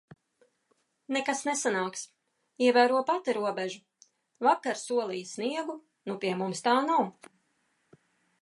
Nekas nesanāks. Ievēro pati robežu. Vakar solīja sniegu, nu pie mums tā nav.